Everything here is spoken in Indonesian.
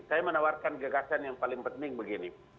saya menawarkan gagasan yang paling penting begini